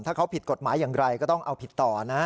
ถ้าเขาผิดกฎหมายอย่างไรก็ต้องเอาผิดต่อนะ